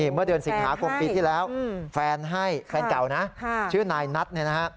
เมื่อเดือนสิงหาคมปีที่แล้วแฟนให้แฟนเก่านะชื่อนายนัทเนี่ยนะฮะ